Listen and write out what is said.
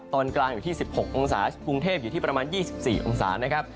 ตอนกลางอยู่ที่๑๖องศากรุงเทพอยู่ที่ประมาณ๒๔องศานะครับ